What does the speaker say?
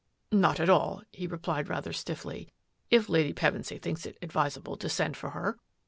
" Not at all," he replied rather stiffly, " if I Pevensy thinks it advisable to send for her."